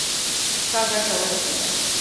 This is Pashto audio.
ښه ګټه ورسېده.